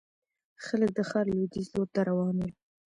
خلک د ښار لوېديځ لور ته روان ول.